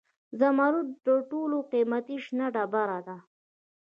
زمرد تر ټولو قیمتي شنه ډبره ده.